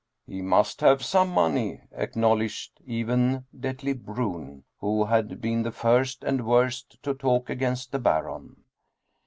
" He must have some money," acknowledged even Detlev Bruhn, who had been the first and worst to talk against the Baron.